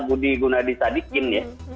budi gunadisadikin ya